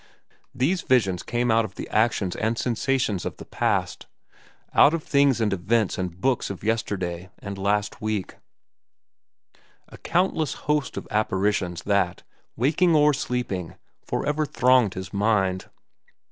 These visions came out of the actions and sensations of the past, out of things and events and books of yesterday and last week—a countless host of apparitions that, waking or sleeping, forever thronged his mind.